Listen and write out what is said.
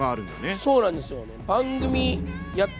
そうなんですよね。